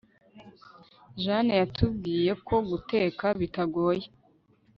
jane yatubwiye ko guteka bitagoye